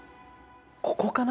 ここかな。